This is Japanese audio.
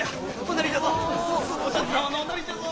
お田鶴様のおなりじゃぞ！